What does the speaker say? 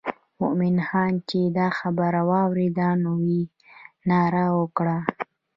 مومن خان چې دا خبره واورېده نو یې ناره وکړه.